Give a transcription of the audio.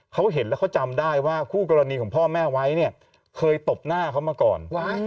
เขาเห็นแล้วเขาจำได้ว่าคู่กรณีของพ่อแม่ไว้เนี่ยเคยตบหน้าเขามาก่อน